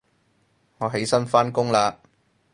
我起身返工喇